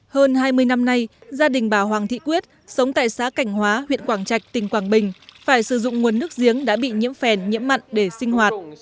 hơn hai mươi năm nay gia đình bà hoàng thị quyết sống tại xã cảnh hóa huyện quảng trạch tỉnh quảng bình phải sử dụng nguồn nước giếng đã bị nhiễm phèn nhiễm mặn để sinh hoạt